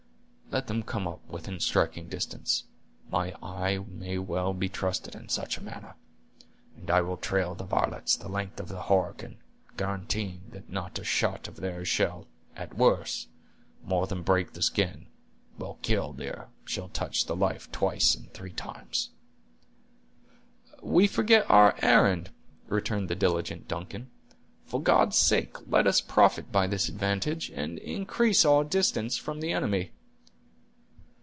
Let them come up within striking distance—my eye may well be trusted in such a matter—and I will trail the varlets the length of the Horican, guaranteeing that not a shot of theirs shall, at the worst, more than break the skin, while 'killdeer' shall touch the life twice in three times." "We forget our errand," returned the diligent Duncan. "For God's sake let us profit by this advantage, and increase our distance from the enemy."